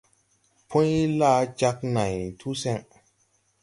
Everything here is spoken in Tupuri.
Pũy laa jāg nãy tu sen.